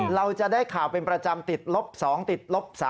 เราจะได้ข่าวเป็นประจำติดลบ๒ติดลบ๓